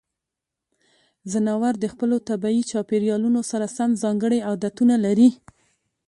ځناور د خپلو طبیعي چاپیریالونو سره سم ځانګړې عادتونه لري.